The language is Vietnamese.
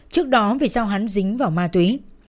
trước đó vì sao hắn dính vào ma túy